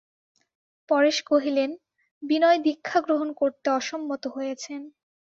পরেশ কহিলেন, বিনয় দীক্ষা গ্রহণ করতে অসম্মত হয়েছেন।